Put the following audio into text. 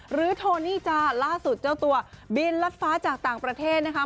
โทนี่จ้าล่าสุดเจ้าตัวบินรัดฟ้าจากต่างประเทศนะคะ